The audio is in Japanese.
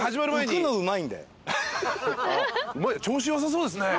今日調子良さそうですね。